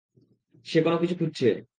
সে কোনো কিছু খুজছে।